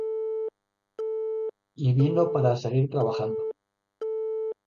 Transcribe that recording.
Y vino para seguir trabajando.